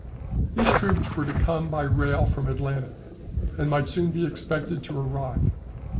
These troops were to come by rail from Atlanta, and might soon be expected to arrive.